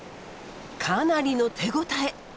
かなりの手応え。